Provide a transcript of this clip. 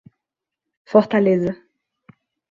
Fortaleza